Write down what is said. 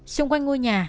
xung quanh ngôi nhà